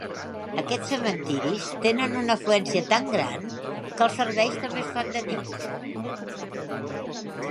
Aquests cementiris tenen una afluència tan gran que els serveis també es fan de nit.